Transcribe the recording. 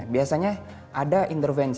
biasanya ada intervensi